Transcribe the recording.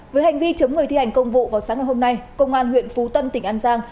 với hành vi chống người thi hành công vụ vào sáng ngày hôm nay công an huyện phú tân tỉnh an giang